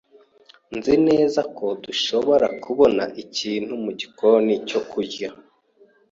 Nzi neza ko dushobora kubona ikintu mu gikoni cyo kurya.